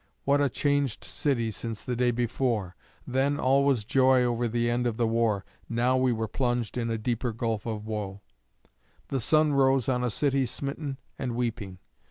What a changed city since the day before! Then all was joy over the end of the war; now we were plunged in a deeper gulf of woe. The sun rose on a city smitten and weeping.